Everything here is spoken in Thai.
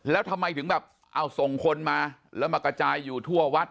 แล้วทำไมถึงแบบเอาส่งคนมาแล้วมากระจายอยู่ทั่ววัด